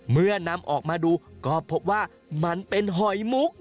เมื่อนำออกมาดูก็พบว่ามันเป็นหอยมุก